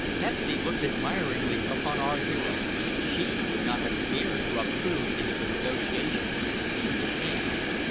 Pepsy looked admiringly upon her hero. She would not have dared to obtrude into the negotiations which seemed at hand.